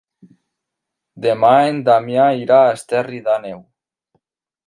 Demà en Damià irà a Esterri d'Àneu.